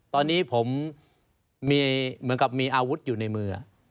ตอนนี้ผมมีเหมือนกับมีอาวุธอยู่ในมือ